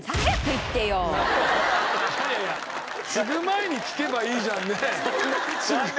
いやいやつぐ前に聞けばいいじゃんね。